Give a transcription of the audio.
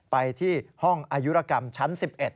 ไปที่ห้องอายุรกรรมชั้น๑๑